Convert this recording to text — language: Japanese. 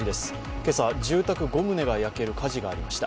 今朝、住宅５棟が焼ける火事がありました。